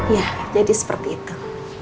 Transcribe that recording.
ya jadi seperti itu